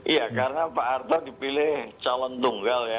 ya karena pak arta dipilih calon tunggal ya